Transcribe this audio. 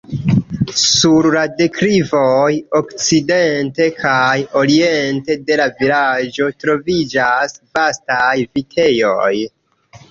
Sur la deklivoj okcidente kaj oriente de la vilaĝo troviĝas vastaj vitejoj.